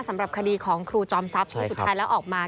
สำหรับคดีของครูจอมทรัพย์ที่สุดท้ายแล้วออกมา